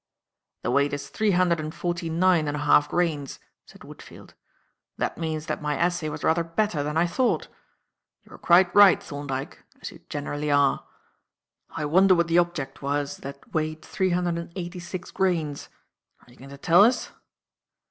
"The weight is three hundred and forty nine and a half grains," said Woodfield. "That means that my assay was rather better than I thought. You were quite right, Thorndyke, as you generally are. I wonder what the object was that weighed three hundred and eighty six grains. Are you going to tell us?"